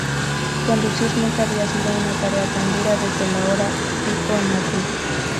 Conducir nunca había sido una tarea tan dura desde la hora pico en Madrid.